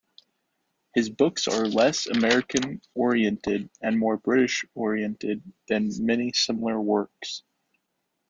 His books are less American-oriented and more British-oriented than many similar works.